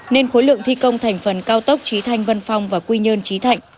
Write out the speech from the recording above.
nên khối lượng thi công thành phần cao tốc trí thanh vân phong và quy nhân trí thanh